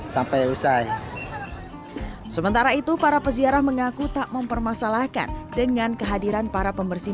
sampai usai sementara itu para peziarah mengaku tak mempermasalahkan dengan kehadiran para pembersih